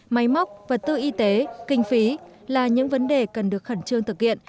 máy móc vật tư y tế kinh phí là những vấn đề cần được khẩn trương thực hiện